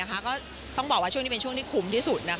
ก็ต้องบอกว่าช่วงนี้เป็นช่วงที่คุ้มที่สุด